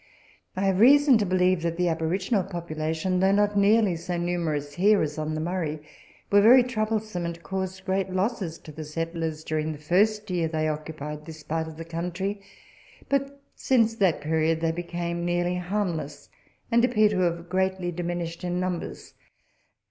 I have reason to believe that the aboriginal population (although not nearly so numerous here as on the Murray) were very troublesome,, and caused great losses to the settlers during the first year they occupied this part of the country, but since that period they 158 Letters from Victorian Pioneers. became nearly harmless, and appear to have greatly diminished in numbers.